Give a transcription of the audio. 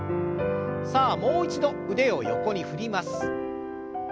さあもう一度腕を横に振ります。